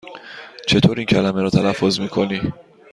چطور این کلمه را تلفظ می کنی؟